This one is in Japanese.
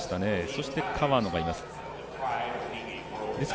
そして川野がいます。